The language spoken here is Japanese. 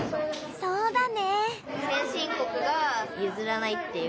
そうだね。